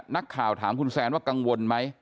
นักข่าวถามคุณแซนว่ากังวลไหม